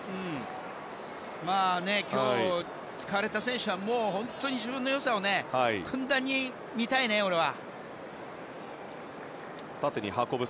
今日、使われた選手は自分の良さをふんだんに見たいね、俺は。